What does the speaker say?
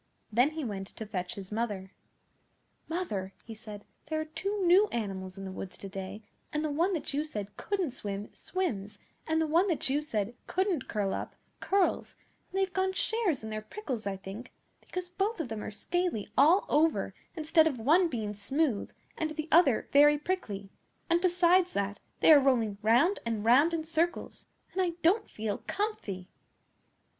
Then he went to fetch his mother. 'Mother,' he said, 'there are two new animals in the woods to day, and the one that you said couldn't swim, swims, and the one that you said couldn't curl up, curls; and they've gone shares in their prickles, I think, because both of them are scaly all over, instead of one being smooth and the other very prickly; and, besides that, they are rolling round and round in circles, and I don't feel comfy.